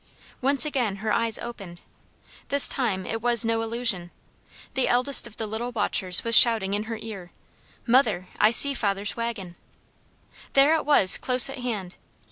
Once again her eyes opened. This time it was no illusion. The eldest of the little watchers was shouting, in her ear, "Mother, I see father's wagon!" There it was close at hand.